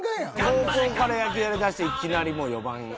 高校から野球やりだしていきなりもう４番や。